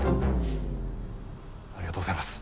ありがとうございます。